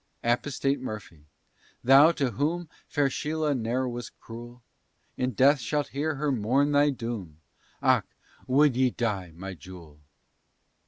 Apostate Murphy, thou to whom Fair Shela ne'er was cruel, In death shalt hear her mourn thy doom, "Och! would ye die, my jewel?"